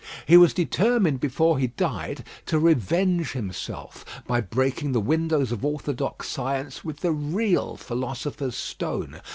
He was determined before he died to revenge himself by breaking the windows of orthodox science with the real philosopher's stone.